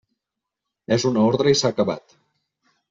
És una ordre i s'ha acabat.